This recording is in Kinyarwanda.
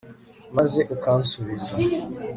maze ukansubiza